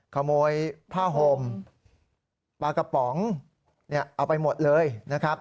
ขโมยผ้าห่มปลากระป๋องเอาไปหมดเลยนะครับ